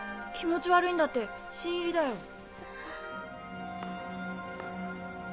気持ち悪いんだって新入りだよ。